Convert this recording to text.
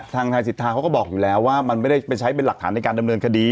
ทางนายสิทธาเขาก็บอกอยู่แล้วว่ามันไม่ได้ไปใช้เป็นหลักฐานในการดำเนินคดี